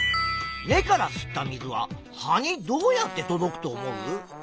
根から吸った水は葉にどうやって届くと思う？